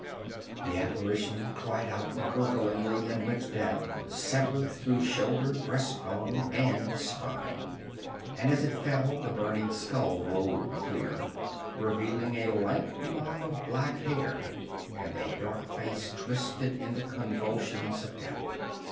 The apparition cried out gurglingly and went down, severed through shoulder, breast bone and spine, and as it fell the burning skull rolled clear, revealing a lank mop of black hair and a dark face twisted in the convulsions of death.